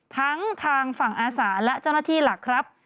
ทั้งทางฝั่งอาสาและเจ้าหน้าที่หลักครับ